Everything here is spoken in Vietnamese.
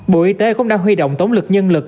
bộ y tế cũng đã huy động tốn lực nhân lực